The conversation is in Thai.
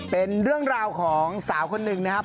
เป็นเรื่องราวของสาวคนหนึ่งนะครับ